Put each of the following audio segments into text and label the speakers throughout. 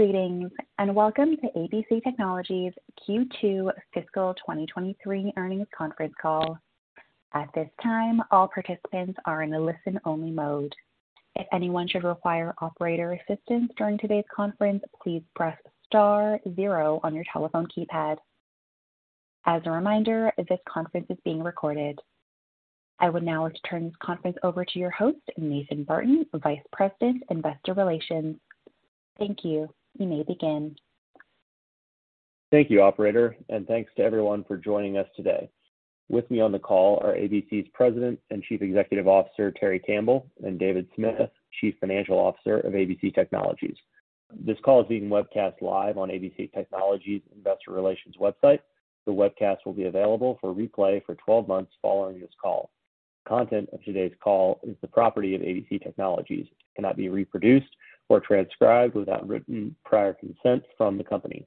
Speaker 1: Greetings, welcome to ABC Technologies Q2 fiscal 2023 earnings conference call. At this time, all participants are in a listen-only mode. If anyone should require operator assistance during today's conference, please press star 0 on your telephone keypad. As a reminder, this conference is being recorded. I would now like to turn this conference over to your host, Nathan Barton, Vice President, Investor Relations. Thank you. You may begin.
Speaker 2: Thank you, operator, and thanks to everyone for joining us today. With me on the call are ABC's President and Chief Executive Officer, Terry Campbell, and David Smith, Chief Financial Officer of ABC Technologies. This call is being webcast live on ABC Technologies' Investor Relations website. The webcast will be available for replay for 12 months following this call. The content of today's call is the property of ABC Technologies. It cannot be reproduced or transcribed without written prior consent from the company.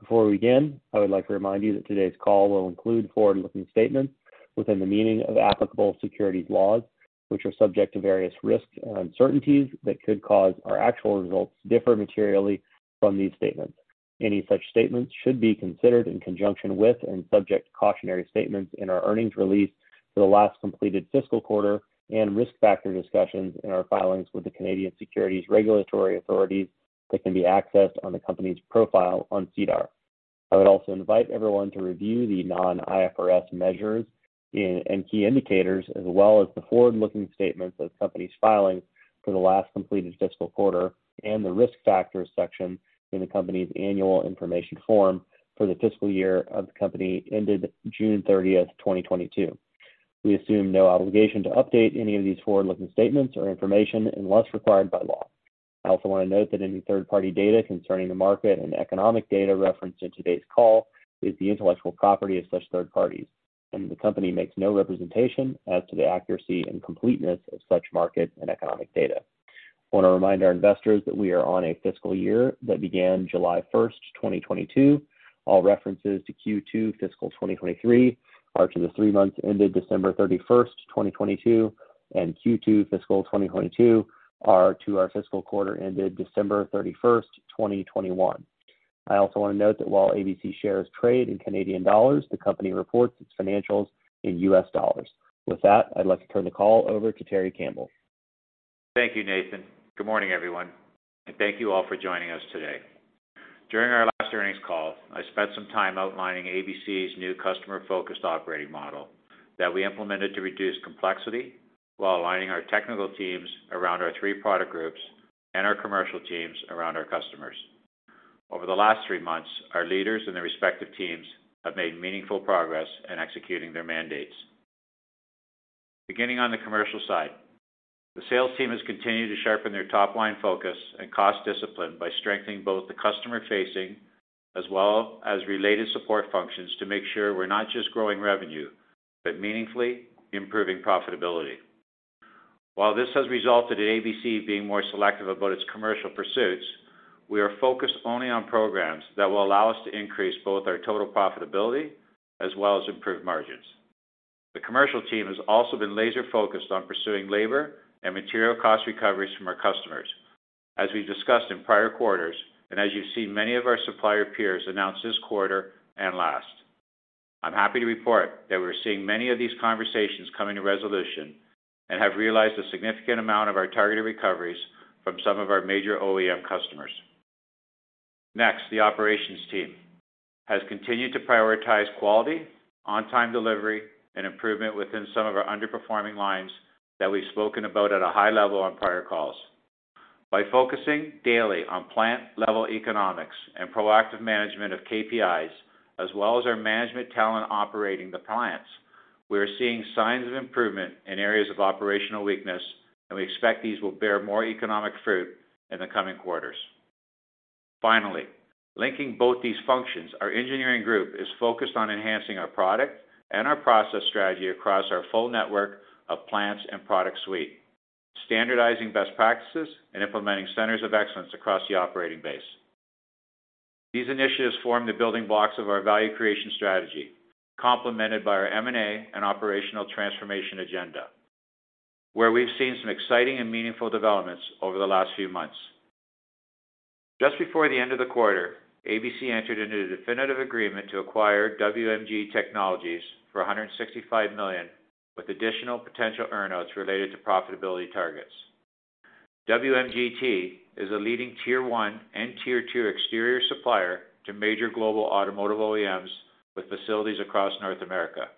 Speaker 2: Before we begin, I would like to remind you that today's call will include forward-looking statements within the meaning of applicable securities laws, which are subject to various risks and uncertainties that could cause our actual results to differ materially from these statements. Any such statements should be considered in conjunction with and subject to cautionary statements in our earnings release for the last completed fiscal quarter and risk factor discussions in our filings with the Canadian Securities Regulatory Authorities that can be accessed on the company's profile on SEDAR. I would also invite everyone to review the non-IFRS measures and key indicators as well as the forward-looking statements of the company's filings for the last completed fiscal quarter and the risk factors section in the company's annual information form for the fiscal year of the company ended June 30, 2022. We assume no obligation to update any of these forward-looking statements or information unless required by law. I also want to note that any third-party data concerning the market and economic data referenced in today's call is the intellectual property of such third parties, and the company makes no representation as to the accuracy and completeness of such market and economic data. I want to remind our investors that we are on a fiscal year that began July 1, 2022. All references to Q2 fiscal 2023 are to the 3 months ended December 31, 2022, and Q2 fiscal 2022 are to our fiscal quarter ended December 31, 2021. I also want to note that while ABC shares trade in Canadian dollars, the company reports its financials in US dollars. With that, I'd like to turn the call over to Terry Campbell.
Speaker 3: Thank you, Nathan. Good morning, everyone, and thank you all for joining us today. During our last earnings call, I spent some time outlining ABC's new customer-focused operating model that we implemented to reduce complexity while aligning our technical teams around our three product groups and our commercial teams around our customers. Over the last three months, our leaders and their respective teams have made meaningful progress in executing their mandates. Beginning on the commercial side, the sales team has continued to sharpen their top-line focus and cost discipline by strengthening both the customer facing as well as related support functions to make sure we're not just growing revenue, but meaningfully improving profitability. While this has resulted in ABC being more selective about its commercial pursuits, we are focused only on programs that will allow us to increase both our total profitability as well as improve margins. The commercial team has also been laser-focused on pursuing labor and material cost recoveries from our customers, as we've discussed in prior quarters and as you've seen many of our supplier peers announce this quarter and last. I'm happy to report that we're seeing many of these conversations coming to resolution and have realized a significant amount of our targeted recoveries from some of our major OEM customers. The operations team has continued to prioritize quality, on-time delivery, and improvement within some of our underperforming lines that we've spoken about at a high level on prior calls. By focusing daily on plant-level economics and proactive management of KPIs, as well as our management talent operating the plants, we are seeing signs of improvement in areas of operational weakness, and we expect these will bear more economic fruit in the coming quarters. Finally, linking both these functions, our engineering group is focused on enhancing our product and our process strategy across our full network of plants and product suite, standardizing best practices and implementing centers of excellence across the operating base. These initiatives form the building blocks of our value creation strategy, complemented by our M&A and operational transformation agenda, where we've seen some exciting and meaningful developments over the last few months. Just before the end of the quarter, ABC entered into the definitive agreement to acquire WMG Technologies for $165 million, with additional potential earnouts related to profitability targets. WMGT is a leading tier-1 and tier-2 exterior supplier to major global automotive OEMs with facilities across North America.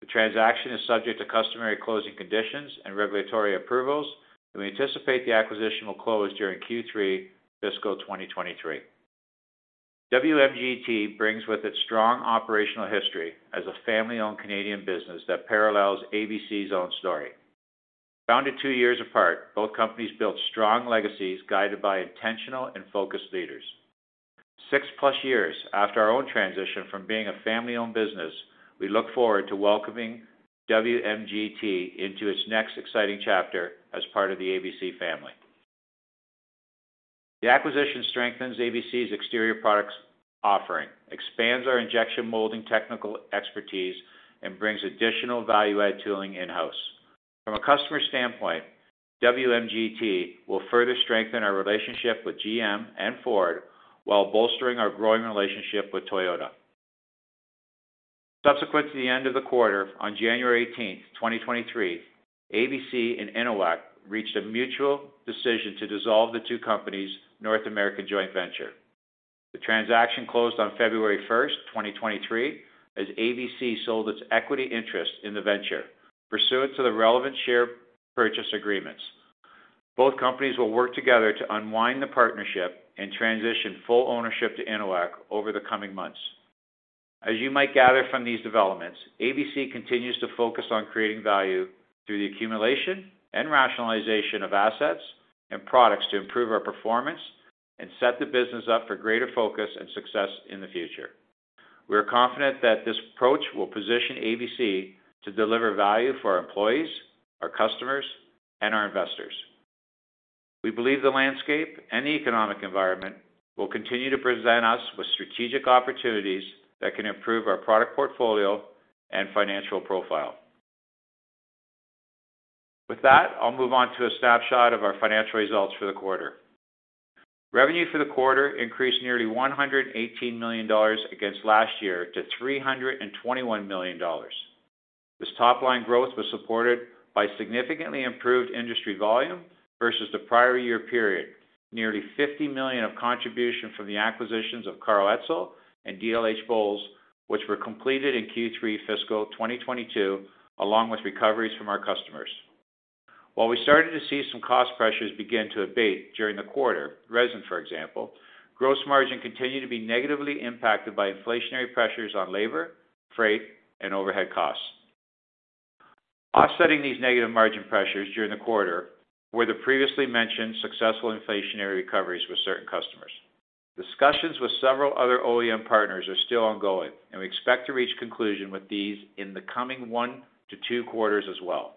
Speaker 3: The transaction is subject to customary closing conditions and regulatory approvals. We anticipate the acquisition will close during Q3 fiscal 2023. WMGT brings with it strong operational history as a family-owned Canadian business that parallels ABC's own story. Founded two years apart, both companies built strong legacies guided by intentional and focused leaders. Six-plus years after our own transition from being a family-owned business, we look forward to welcoming WMGT into its next exciting chapter as part of the ABC family. The acquisition strengthens ABC's exterior products offering, expands our injection molding technical expertise, and brings additional value-add tooling in-house. From a customer standpoint, WMGT will further strengthen our relationship with GM and Ford while bolstering our growing relationship with Toyota. Subsequent to the end of the quarter on January 18th, 2023, ABC and INOAC reached a mutual decision to dissolve the two companies' North American joint venture. The transaction closed on February 1, 2023, as ABC sold its equity interest in the venture pursuant to the relevant share purchase agreements. Both companies will work together to unwind the partnership and transition full ownership to INOAC over the coming months. As you might gather from these developments, ABC continues to focus on creating value through the accumulation and rationalization of assets and products to improve our performance and set the business up for greater focus and success in the future. We are confident that this approach will position ABC to deliver value for our employees, our customers, and our investors. We believe the landscape and the economic environment will continue to present us with strategic opportunities that can improve our product portfolio and financial profile. With that, I'll move on to a snapshot of our financial results for the quarter. Revenue for the quarter increased nearly $118 million against last year to $321 million. This top-line growth was supported by significantly improved industry volume versus the prior year period, nearly $50 million of contribution from the acquisitions of Karl Etzel and dlhBOWLES, which were completed in Q3 fiscal 2022, along with recoveries from our customers. While we started to see some cost pressures begin to abate during the quarter, resin, for example, gross margin continued to be negatively impacted by inflationary pressures on labor, freight, and overhead costs. Offsetting these negative margin pressures during the quarter were the previously mentioned successful inflationary recoveries with certain customers. Discussions with several other OEM partners are still ongoing, and we expect to reach conclusion with these in the coming 1 to 2 quarters as well.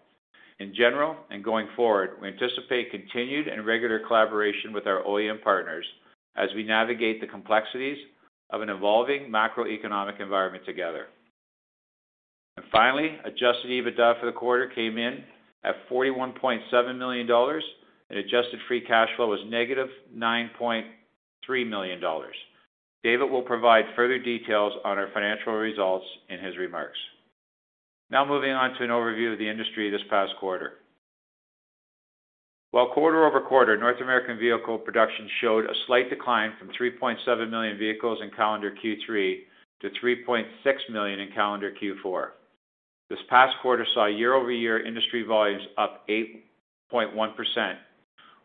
Speaker 3: In general, going forward, we anticipate continued and regular collaboration with our OEM partners as we navigate the complexities of an evolving macroeconomic environment together. Finally, adjusted EBITDA for the quarter came in at $41.7 million and adjusted free cash flow was -$9.3 million. David will provide further details on our financial results in his remarks. Moving on to an overview of the industry this past quarter. Quarter-over-quarter, North American vehicle production showed a slight decline from 3.7 million vehicles in calendar Q3 to 3.6 million in calendar Q4. This past quarter saw year-over-year industry volumes up 8.1%,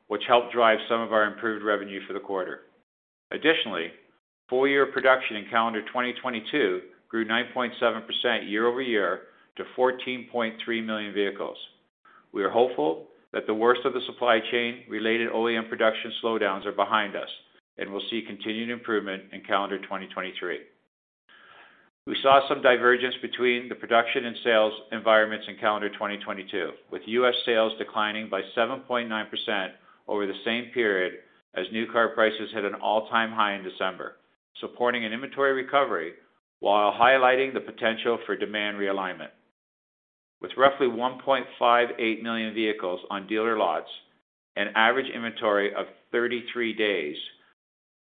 Speaker 3: which helped drive some of our improved revenue for the quarter. Full year production in calendar 2022 grew 9.7% year-over-year to 14.3 million vehicles. We are hopeful that the worst of the supply chain related OEM production slowdowns are behind us and we'll see continued improvement in calendar 2023. We saw some divergence between the production and sales environments in calendar 2022, with US sales declining by 7.9% over the same period as new car prices hit an all-time high in December, supporting an inventory recovery while highlighting the potential for demand realignment. With roughly 1.58 million vehicles on dealer lots, an average inventory of 33 days,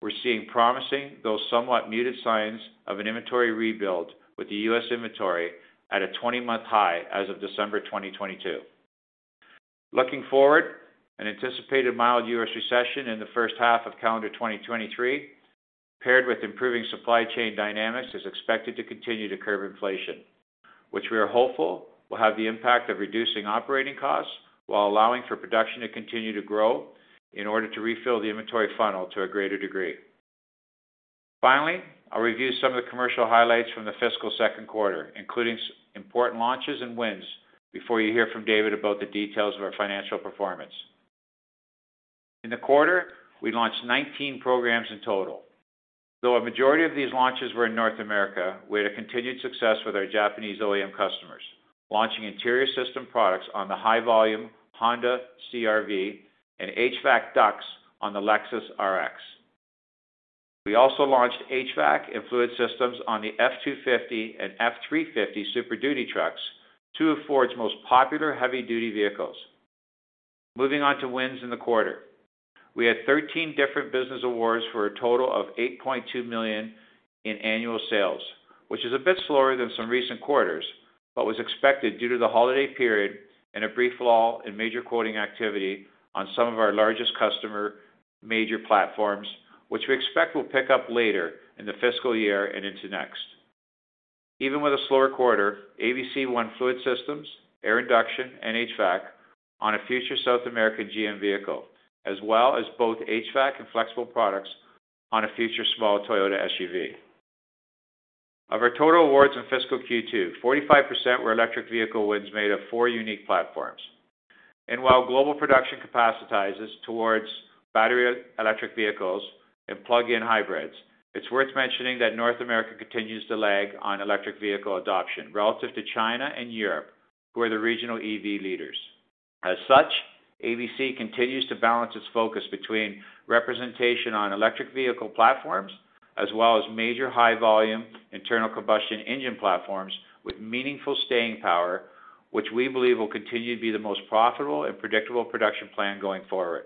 Speaker 3: we're seeing promising, though somewhat muted signs of an inventory rebuild with the US inventory at a 20-month high as of December 2022. Looking forward, an anticipated mild U.S. recession in the first half of calendar 2023, paired with improving supply chain dynamics, is expected to continue to curb inflation, which we are hopeful will have the impact of reducing operating costs while allowing for production to continue to grow in order to refill the inventory funnel to a greater degree. Finally, I'll review some of the commercial highlights from the fiscal second quarter, including important launches and wins before you hear from David about the details of our financial performance. In the quarter, we launched 19 programs in total. Though a majority of these launches were in North America, we had a continued success with our Japanese OEM customers, launching interior system products on the high volume Honda CR-V and HVAC ducts on the Lexus RX. We also launched HVAC and fluid systems on the F-250 and F-350 Super Duty trucks, two of Ford's most popular heavy-duty vehicles. Moving on to wins in the quarter. We had 13 different business awards for a total of $8.2 million in annual sales, which is a bit slower than some recent quarters, but was expected due to the holiday period and a brief lull in major quoting activity on some of our largest customer major platforms, which we expect will pick up later in the fiscal year and into next. Even with a slower quarter, ABC won fluid systems, air induction, and HVAC on a future South American GM vehicle, as well as both HVAC and flexible products on a future small Toyota SUV. Of our total awards in fiscal Q2, 45% were electric vehicle wins made of four unique platforms. While global production capacitizes towards battery electric vehicles and plug-in hybrids, it's worth mentioning that North America continues to lag on electric vehicle adoption relative to China and Europe, who are the regional EV leaders. As such, ABC continues to balance its focus between representation on electric vehicle platforms as well as major high volume internal combustion engine platforms with meaningful staying power, which we believe will continue to be the most profitable and predictable production plan going forward.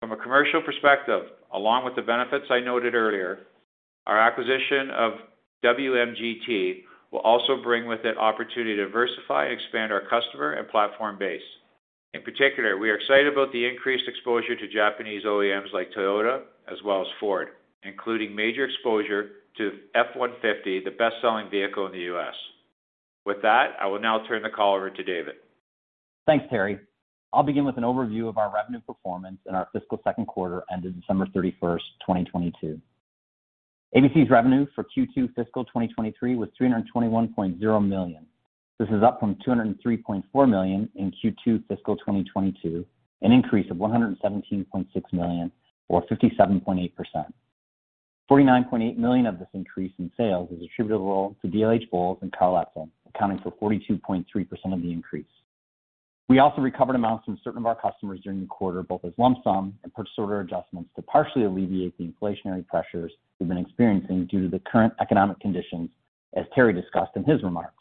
Speaker 3: From a commercial perspective, along with the benefits I noted earlier, our acquisition of WMGT will also bring with it opportunity to diversify and expand our customer and platform base. In particular, we are excited about the increased exposure to Japanese OEMs like Toyota as well as Ford, including major exposure to F-150, the best-selling vehicle in the U.S. With that, I will now turn the call over to David.
Speaker 4: Thanks, Terry. I'll begin with an overview of our revenue performance in our fiscal second quarter ended December 31st, 2022. ABC's revenue for Q2 fiscal 2023 was $321.0 million. This is up from $203.4 million in Q2 fiscal 2022, an increase of $117.6 million or 57.8%. $49.8 million of this increase in sales is attributable to dlhBOWLES and Karl Etzel, accounting for 42.3% of the increase. We also recovered amounts from certain of our customers during the quarter, both as lump sum and purchase order adjustments to partially alleviate the inflationary pressures we've been experiencing due to the current economic conditions, as Terry discussed in his remarks.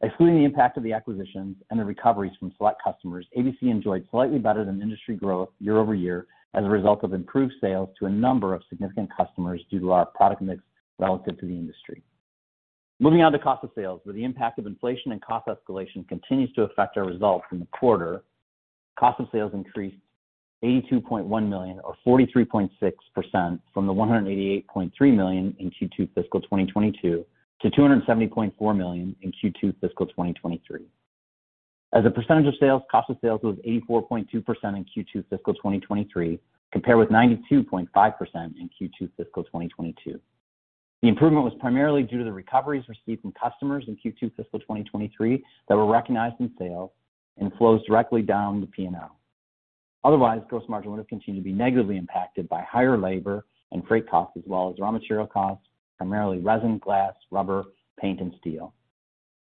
Speaker 4: Excluding the impact of the acquisitions and the recoveries from select customers, ABC enjoyed slightly better than industry growth year over year as a result of improved sales to a number of significant customers due to our product mix relative to the industry. Moving on to cost of sales, where the impact of inflation and cost escalation continues to affect our results from the quarter. Cost of sales increased eighty-two point one million or forty-three point six percent from the one hundred and eighty-eight point three million in Q2 fiscal twenty twenty-two to two hundred and seventy point four million in Q2 fiscal twenty twenty-three. As a percentage of sales, cost of sales was eighty-four point two percent in Q2 fiscal twenty twenty-three, compared with ninety-two point five percent in Q2 fiscal twenty twenty-two. The improvement was primarily due to the recoveries received from customers in Q2 fiscal 2023 that were recognized in sales and flows directly down the P&L. Otherwise, gross margin would have continued to be negatively impacted by higher labor and freight costs, as well as raw material costs, primarily resin, glass, rubber, paint, and steel.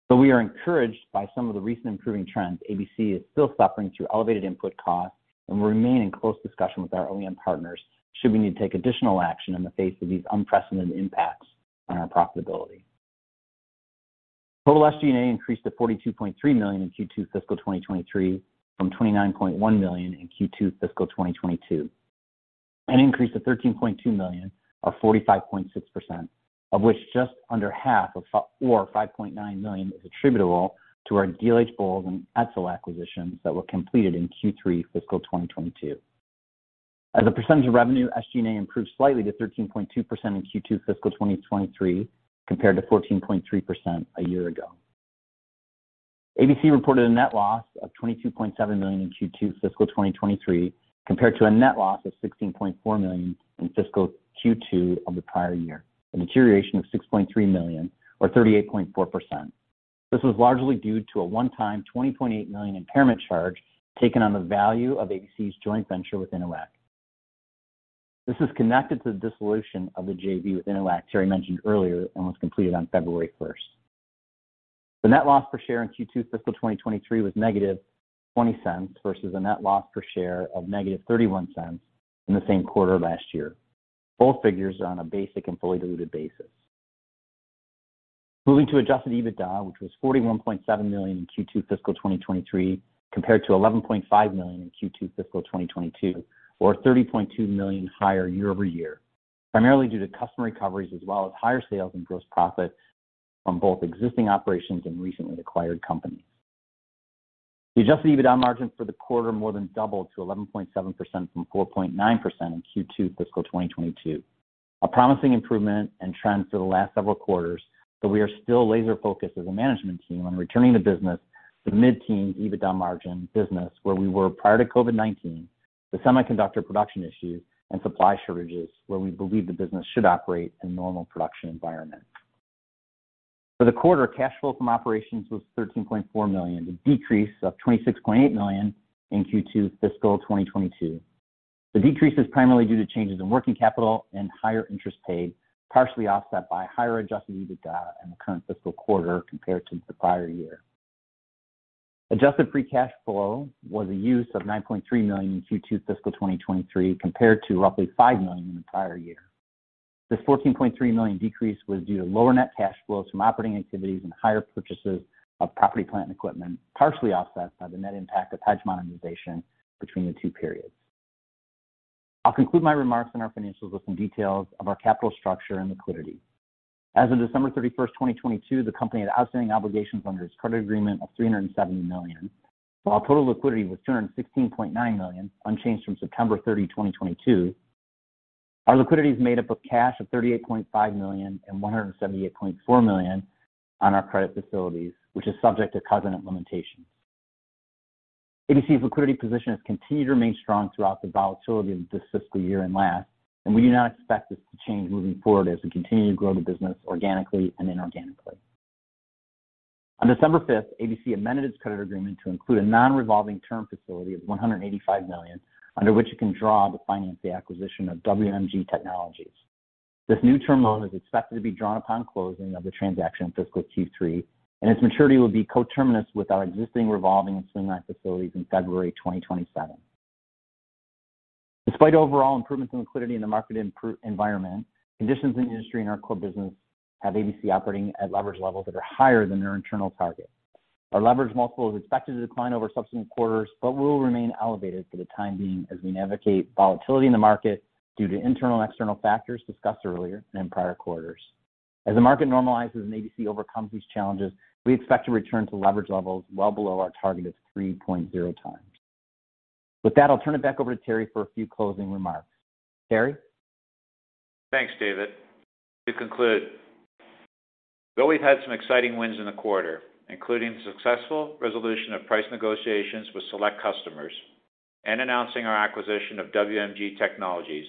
Speaker 4: Though we are encouraged by some of the recent improving trends, ABC is still suffering through elevated input costs and remain in close discussion with our OEM partners should we need to take additional action in the face of these unprecedented impacts on our profitability. Total SG&A increased to $42.3 million in Q2 fiscal 2023 from $29.1 million in Q2 fiscal 2022. An increase of $13.2 million or 45.6%, of which just under half or $5.9 million is attributable to our dlhBOWLES and Etzel acquisitions that were completed in Q3 fiscal 2022. As a percentage of revenue, SG&A improved slightly to 13.2% in Q2 fiscal 2023, compared to 14.3% a year ago. ABC reported a net loss of $22.7 million in Q2 fiscal 2023, compared to a net loss of $16.4 million in fiscal Q2 of the prior year, a deterioration of $6.3 million or 38.4%. This was largely due to a one-time $20.8 million impairment charge taken on the value of ABC's joint venture with INOAC. This is connected to the dissolution of the JV with INOAC Terry mentioned earlier and was completed on February first. The net loss per share in Q2 fiscal 2023 was -$0.20 versus a net loss per share of -$0.31 in the same quarter last year. Both figures are on a basic and fully diluted basis. Moving to adjusted EBITDA, which was $41.7 million in Q2 fiscal 2023, compared to $11.5 million in Q2 fiscal 2022, or $30.2 million higher year-over-year, primarily due to customer recoveries as well as higher sales and gross profit from both existing operations and recently acquired companies. The adjusted EBITDA margin for the quarter more than doubled to 11.7% from 4.9% in Q2 fiscal 2022. A promising improvement and trends for the last several quarters, we are still laser-focused as a management team on returning the business to mid-teen EBITDA margin business where we were prior to COVID-19, the semiconductor production issue and supply shortages, where we believe the business should operate in normal production environment. For the quarter, cash flow from operations was $13.4 million, a decrease of $26.8 million in Q2 fiscal 2022. The decrease is primarily due to changes in working capital and higher interest paid, partially offset by higher adjusted EBITDA in the current fiscal quarter compared to the prior year. Adjusted free cash flow was a use of $9.3 million in Q2 fiscal 2023, compared to roughly $5 million in the prior year. This $14.3 million decrease was due to lower net cash flows from operating activities and higher purchases of property, plant, and equipment, partially offset by the net impact of hedge monetization between the two periods. I'll conclude my remarks on our financials with some details of our capital structure and liquidity. As of December 31st, 2022, the company had outstanding obligations under its credit agreement of $370 million, while total liquidity was $216.9 million, unchanged from September 30, 2022. Our liquidity is made up of cash of $38.5 million and $178.4 million on our credit facilities, which is subject to covenant limitations. ABC's liquidity position has continued to remain strong throughout the volatility of this fiscal year and last, and we do not expect this to change moving forward as we continue to grow the business organically and inorganically. On December fifth, ABC amended its credit agreement to include a non-revolving term facility of $185 million, under which it can draw to finance the acquisition of WMG Technologies. This new term loan is expected to be drawn upon closing of the transaction in fiscal Q3, and its maturity will be coterminous with our existing revolving and swing facilities in February 2027. Despite overall improvements in liquidity in the market environment, conditions in the industry and our core business have ABC operating at leverage levels that are higher than their internal target. Our leverage multiple is expected to decline over subsequent quarters, but will remain elevated for the time being as we navigate volatility in the market due to internal and external factors discussed earlier in prior quarters. As the market normalizes and ABC overcomes these challenges, we expect to return to leverage levels well below our target of 3.0x. With that, I'll turn it back over to Terry for a few closing remarks. Terry?
Speaker 3: Thanks, David. To conclude, though we've had some exciting wins in the quarter, including the successful resolution of price negotiations with select customers and announcing our acquisition of WMG Technologies,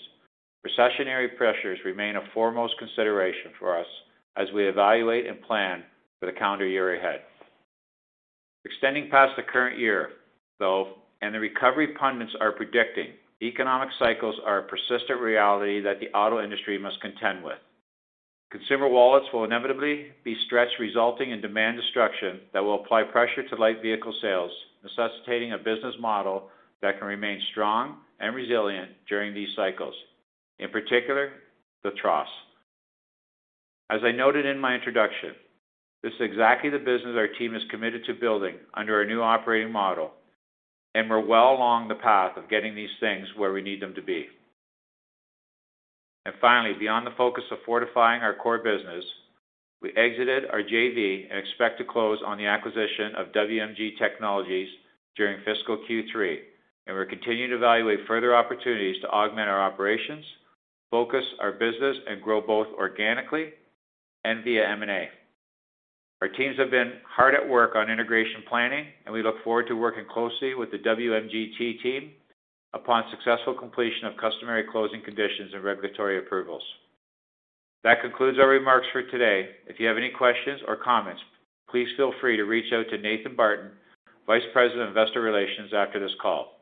Speaker 3: recessionary pressures remain a foremost consideration for us as we evaluate and plan for the calendar year ahead. Extending past the current year, though, and the recovery pundits are predicting, economic cycles are a persistent reality that the auto industry must contend with. Consumer wallets will inevitably be stretched, resulting in demand destruction that will apply pressure to light vehicle sales, necessitating a business model that can remain strong and resilient during these cycles, in particular, the trough. As I noted in my introduction, this is exactly the business our team is committed to building under our new operating model, and we're well along the path of getting these things where we need them to be. Finally, beyond the focus of fortifying our core business, we exited our JV and expect to close on the acquisition of WMG Technologies during fiscal Q three, and we're continuing to evaluate further opportunities to augment our operations, focus our business, and grow both organically and via M&A. Our teams have been hard at work on integration planning, and we look forward to working closely with the WMGT team upon successful completion of customary closing conditions and regulatory approvals. That concludes our remarks for today. If you have any questions or comments, please feel free to reach out to Nathan Barton, Vice President of Investor Relations, after this call.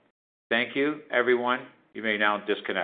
Speaker 3: Thank you, everyone. You may now disconnect.